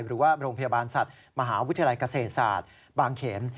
หรือว่าโรงพยาบาลสัตว์มหาวิทยาลัยเกษตรศาสตร์บางเขน